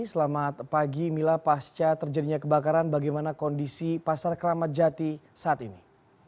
selamat pagi mila pasca terjadinya kebakaran bagaimana kondisi pasar keramat jati saat ini